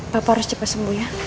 papa harus cepet sembuh ya